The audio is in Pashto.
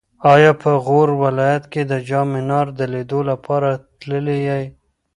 ایا په غور ولایت کې د جام منار د لیدو لپاره تللی یې؟